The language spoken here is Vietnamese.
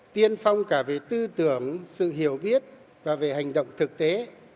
tiên phong cả về tư tưởng sự hiểu biết và về hành động thực tế